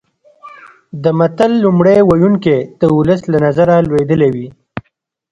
د متل لومړی ویونکی د ولس له نظره لوېدلی وي